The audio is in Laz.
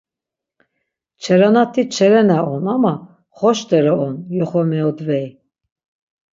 Çeranati Çerana on ama Xoşdere on, yoxo meodvey.